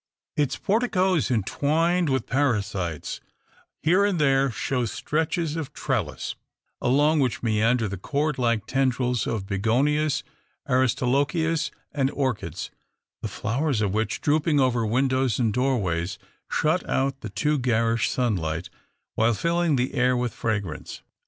Its porticoes, entwined with parasites, here and there show stretches of trellis, along which meander the cord like tendrils of bignonias, aristolochias, and orchids, the flowers of which, drooping over windows and doorways, shut out the too garish sunlight, while filling the air with fragrance.